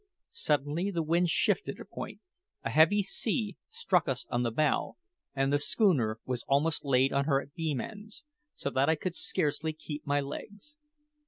Suddenly the wind shifted a point, a heavy sea struck us on the bow, and the schooner was almost laid on her beam ends, so that I could scarcely keep my legs.